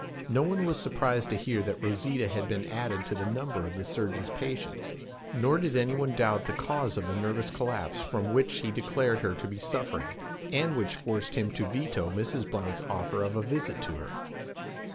No one was surprised to hear that Rosita had been added to the number of the surgeon's patients, nor did any one doubt the cause of the nervous collapse from which he declared her to be suffering, and which forced him to veto Mrs. Blount's offer of a visit to her.